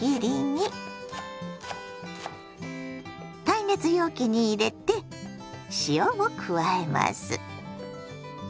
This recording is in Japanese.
耐熱容器に入れて塩を加えます。